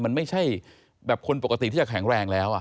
มันไม่ใช่แบบคนปกติที่จะแข็งแรงแล้ว